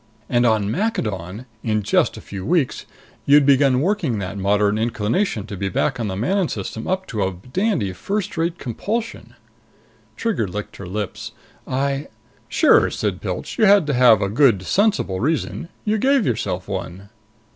And on Maccadon, in just a few weeks, you'd begun working that moderate inclination to be back in the Manon System up to a dandy first rate compulsion." Trigger licked her lips. "I " "Sure," said Pilch. "You had to have a good sensible reason. You gave yourself one."